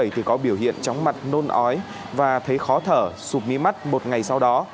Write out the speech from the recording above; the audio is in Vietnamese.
thì có biểu hiện chóng mặt nôn ói và thấy khó thở sụp mí mắt một ngày sau đó